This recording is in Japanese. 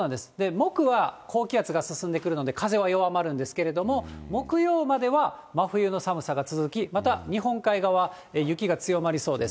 木は高気圧が進んでくるので、風は弱まるんですけれども、木曜までは真冬の寒さが続き、また日本海側、雪が強まりそうです。